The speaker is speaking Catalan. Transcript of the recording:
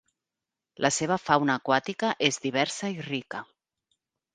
La seva fauna aquàtica és diversa i rica.